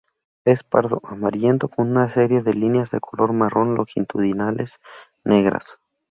Es pardo amarillento con una serie de líneas de color marrón longitudinales negras.